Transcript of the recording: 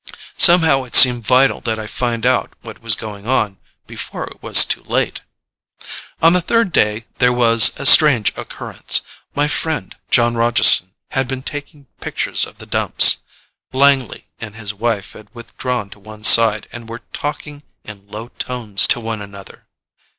Somehow it seemed vital that I find out what was going on before it was too late. On the third day there was a strange occurrence. My friend, Jon Rogeson had been taking pictures of the Dumps. Langley and his wife had withdrawn to one side and were talking in low tomes to one another.